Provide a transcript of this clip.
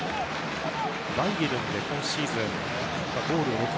バイエルンで今シーズン６ゴール。